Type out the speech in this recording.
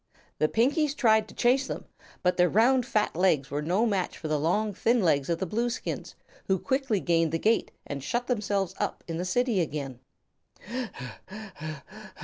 The Pinkies tried to chase them, but their round, fat legs were no match for the long, thin legs of the Blueskins, who quickly gained the gate and shut themselves up in the City again.